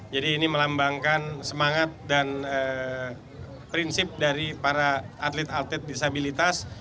jadi ini melambangkan semangat dan prinsip dari para atlet atlet disabilitas